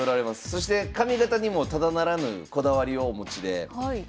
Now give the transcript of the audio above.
そして髪形にもただならぬこだわりをお持ちで。